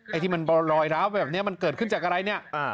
ไอ้ที่มันลอยร้าวแบบนี้มันเกิดขึ้นจากอะไรเนี่ย